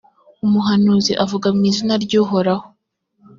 umuhanuzi avuga mu izina ry’uhoraho,